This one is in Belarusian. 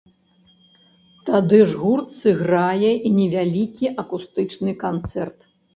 Тады ж гурт сыграе і невялікі акустычны канцэрт.